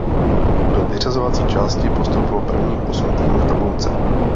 Do vyřazovací části postoupilo prvních osm týmů v tabulce.